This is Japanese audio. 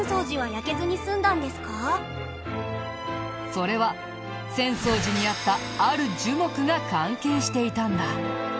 それは浅草寺にあったある樹木が関係していたんだ。